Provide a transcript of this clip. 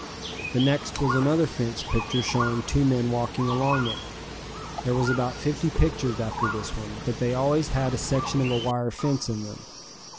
The next was another fence picture showing two men walking along it. There was about fifty pictures after this one, but they always had a section of a wire fence in them.